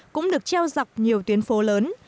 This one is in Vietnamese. cũng được treo dọc nhiều tuyến phố lớn